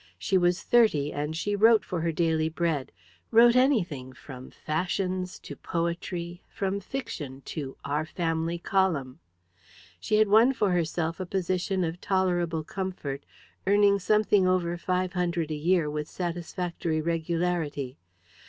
She was thirty, and she wrote for her daily bread wrote anything, from "Fashions" to "Poetry," from "Fiction" to "Our Family Column." She had won for herself a position of tolerable comfort, earning something over five hundred a year with satisfactory regularity.